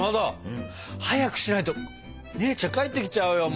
うん？早くしないと姉ちゃん帰ってきちゃうよ。